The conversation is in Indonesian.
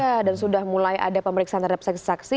ya dan sudah mulai ada pemeriksaan terhadap saksi saksi